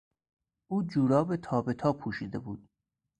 او جوراب تا به تا پوشیده بود.